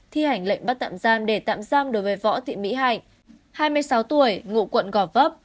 thi hành lệnh bắt tạm giam để tạm giam đối với võ thị mỹ hạnh hai mươi sáu tuổi ngụ quận gò vấp